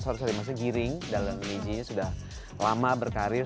maaf maaf maksudnya giring dan nidji sudah lama berkarir